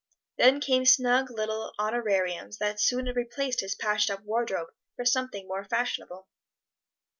Then came snug little honorariums that soon replaced his patched up wardrobe for something more fashionable.